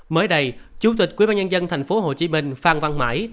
mới đây chủ tịch ubnd tp hcm phan văn mãi